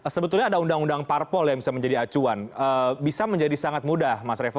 sebetulnya ada undang undang parpol yang bisa menjadi acuan bisa menjadi sangat mudah mas revo